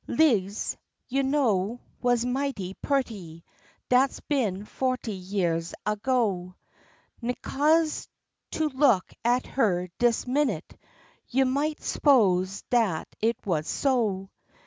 Lize, you know, wuz mighty purty dat's been forty yeahs ago 'N 'cos to look at her dis minit, you might'n spose dat it wuz so.